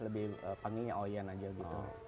lebih panggilnya oyen aja gitu